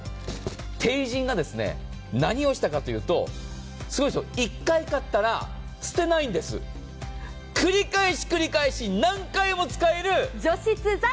でも、ＴＥＩＪＩＮが何をしたかというと１回買ったら捨てないんです、繰り返し繰り返し何回も使える除湿剤。